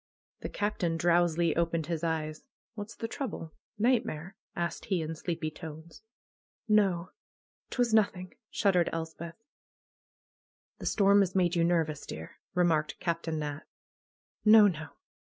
The Captain drowsily opened his eyes. What's the trouble? Nightmare?" asked he in sleepy tones. ''No! 'Twas nothing!" shuddered Elspeth. "The storm has made you nervous, dear," remarked Captain Nat. "No, no!